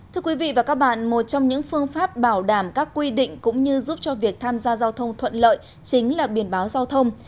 thưa quý vị và các bạn một trong những phương pháp bảo đảm các quy định cũng như giúp cho việc tham gia giao thông thuận lợi chính là biển báo giao thông